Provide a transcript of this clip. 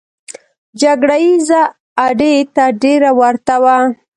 جګړه ییزې اډې ته ډېره ورته وه.